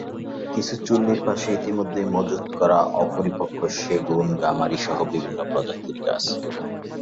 কিছু চুল্লির পাশে ইতিমধ্যেই মজুত করা অপরিপক্ব সেগুন, গামারিসহ বিভিন্ন প্রজাতির গাছ।